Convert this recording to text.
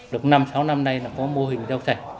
được năm sáu năm nay là có mô hình rau sạch